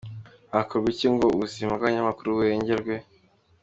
Hakorwa iki ngo ubuzima bw’abanyamakuru burengerwe?.